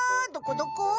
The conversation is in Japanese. どこどこ？